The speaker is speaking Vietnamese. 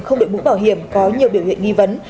không được bút bảo hiểm có nhiều biểu hiện nghi vấn